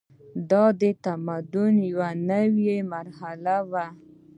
دا د تمدن یوه نوې مرحله وه.